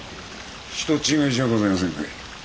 人違いじゃございませんか？